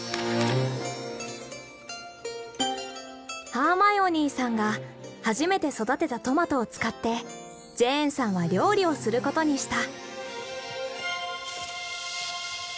ハーマイオニーさんが初めて育てたトマトを使ってジェーンさんは料理をすることにした。